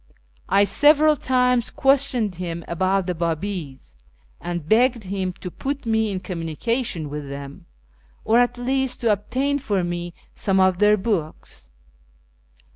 I several times questioned him about the Bi'ibis, and begged him to put me in communication with them, or at least to obtain for me some of their books.